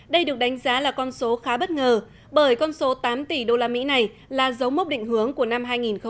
đây được đánh giá là con số khá bất ngờ bởi con số tám tỷ usd này là dấu mốc định hướng của năm hai nghìn hai mươi